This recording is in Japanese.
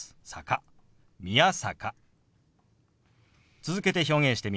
続けて表現してみます。